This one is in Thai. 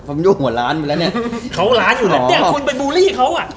ฟาบินโยหัวล้านไว้แล้วเนี้ยเค้าร้านอยู่แล้วเนี้ยอ๋อ